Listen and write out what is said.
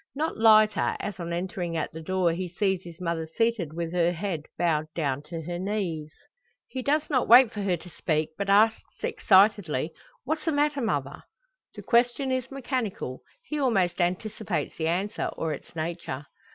Not lighter, as on entering at the door he sees his mother seated with her head bowed down to her knees. He does not wait for her to speak, but asks excitedly: "What's the matter, mother?" The question is mechanical he almost anticipates the answer, or its nature.